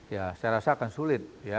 ya saya rasa akan sulit ya